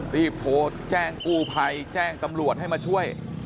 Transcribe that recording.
รีบโทรแจ้งกู้ภัยแจ้งตำรวจให้มาช่วย